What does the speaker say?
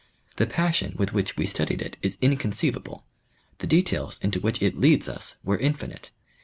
The passion with which we studied it is inconceivable, the details into which it leads us were infinite.